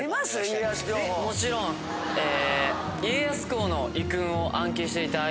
もちろんえ。